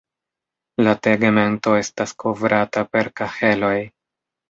La tegmento estas kovrata per kaheloj.